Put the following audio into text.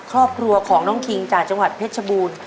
ครอบครัวของน้องคิงจากจังหวัดเพชรชบูรณ์